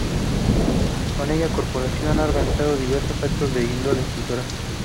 Con aquella corporación ha organizado diversos actos de índole cultural.